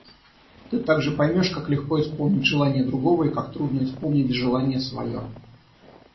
Ты также поймешь, как легко исполнить желание другого и как трудно исполнить желание свое.